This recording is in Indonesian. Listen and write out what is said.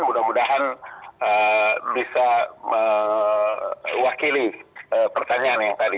mudah mudahan bisa mewakili pertanyaan yang tadi